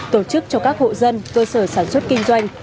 tổ chức cho các hộ dân cơ sở sản xuất kinh doanh